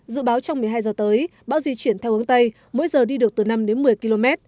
dự báo trong một mươi hai giờ tới bão di chuyển theo hướng tây mỗi giờ đi được từ năm đến một mươi km